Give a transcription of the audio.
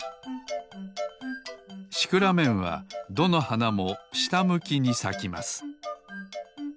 シクラメンはどのはなもしたむきにさきます